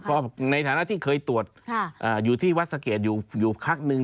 ก็ในฐานะที่เคยตรวจอยู่ที่วัดสะเกดอยู่พักนึง